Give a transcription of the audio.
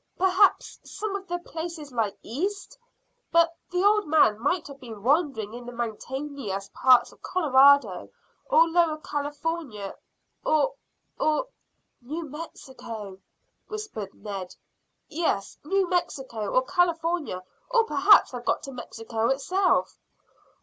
"Perhaps some of the places lie east; but the old man might have been wandering in the mountainous parts of Colorado or Lower California, or or " "New Mexico," whispered Ned. "Yes, New Mexico, or California, or perhaps have got to Mexico itself."